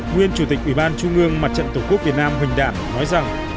nguyên chủ tịch ủy ban trung ương mặt trận tổ quốc việt nam huỳnh đảng nói rằng